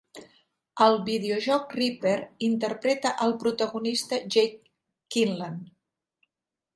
Al videojoc "Ripper", interpreta al protagonista Jake Quinlan.